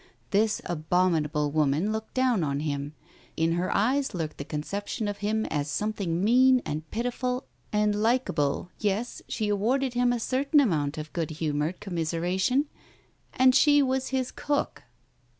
This abominable woman looked down on him ; in her eyes lurked the conception of him as something mean and pitiful and likable, yes, she awarded him a certain amount of good humoured com miseration. And she was his cook